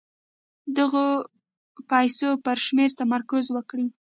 د دغو پيسو پر شمېر تمرکز وکړئ.